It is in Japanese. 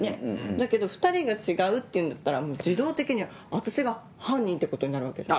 だけど２人が違うっていうんだったら自動的に私が犯人っていうことになるわけじゃないですか。